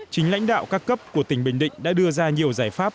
chính lãnh đạo các cấp của tỉnh bình định đã đưa ra nhiều giải pháp